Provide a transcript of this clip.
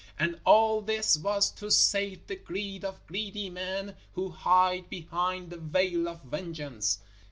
And all this was to sate the greed of greedy men who hide behind the veil of vengeance!